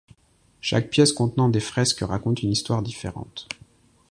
Chaque pièce contenant des fresques raconte une histoire différente.